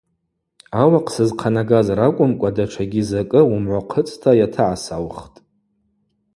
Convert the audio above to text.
Ауахъ сызхъанагаз ракӏвымкӏва датшагьи закӏы уымгӏвахъыцӏта йатагӏасаухтӏ.